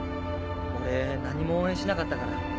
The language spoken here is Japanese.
俺何も応援しなかったから。